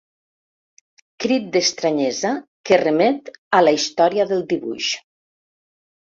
Crit d'estranyesa que remet a la història del dibuix.